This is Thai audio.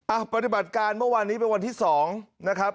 ปฏิบัติการเมื่อวานนี้เป็นวันที่๒นะครับ